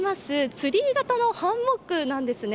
ツリー形のハンモックなんですね。